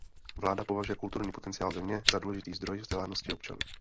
Vláda považuje kulturní potenciál země za důležitý zdroj vzdělanosti občanů.